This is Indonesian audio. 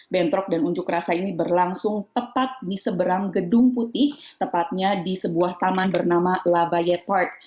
bentrok dan unjuk rasa ini berlangsung tepat di seberang gedung putih tepatnya di sebuah taman bernama labayet park